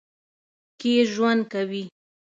کښې ژؤند کوي